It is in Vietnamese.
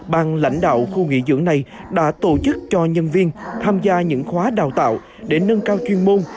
bàn lãnh đạo khu nghỉ dưỡng này đã tổ chức cho nhân viên tham gia những khóa đào tạo để nâng cao chuyên môn